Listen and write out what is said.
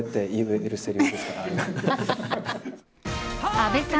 阿部さん